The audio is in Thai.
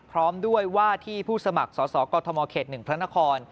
พร้อมด้วยว่าที่ผู้สมัครสสกมเขต๑พระนคร